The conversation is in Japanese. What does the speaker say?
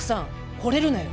ほれるなよ。